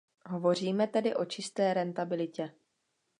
Hovoříme tedy o čisté rentabilitě.